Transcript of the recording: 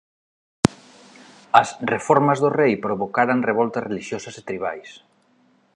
As reformas do rei provocaran revoltas relixiosas e tribais.